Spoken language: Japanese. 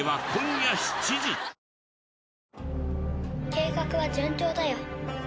計画は順調だよ。